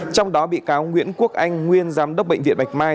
trong đó bị cáo nguyễn quốc anh nguyên giám đốc bệnh viện bạch mai